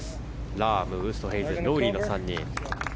ラーム、ウーストヘイゼンロウリーの３人。